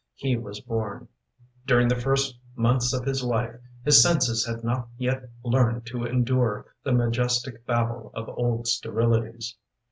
He was born. During the first months of his life His senses had not yet learned to endure The majestic babble of old sterilities.